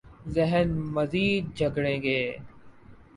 ذہن مزید جکڑے گئے۔